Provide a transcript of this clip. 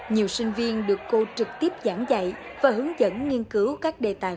nhiều sinh viên được cô trực tiếp giảng dạy và hướng dẫn nghiên cứu các đề tài